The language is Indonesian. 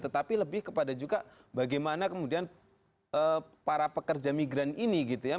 tetapi lebih kepada juga bagaimana kemudian para pekerja migran ini gitu ya